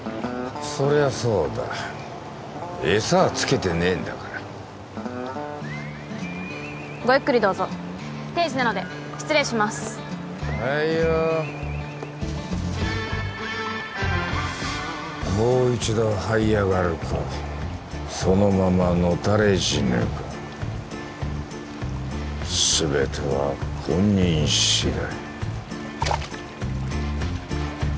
そりゃそうだ餌つけてねえんだからごゆっくりどうぞ定時なので失礼しますはいよもう一度はい上がるかそのまま野たれ死ぬかすべては本人次第